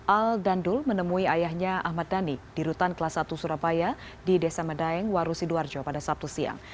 al dan dul menemui ayahnya ahmad dhani di rutan kelas satu surabaya di desa medaeng warusidoarjo pada sabtu siang